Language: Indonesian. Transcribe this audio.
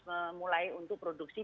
memulai untuk produksi